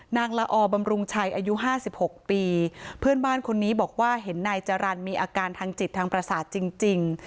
ละอบำรุงชัยอายุ๕๖ปีเพื่อนบ้านคนนี้บอกว่าเห็นนายจรรย์มีอาการทางจิตทางประสาทจริง